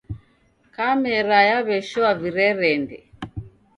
Kamera yaw'eshoa virerende.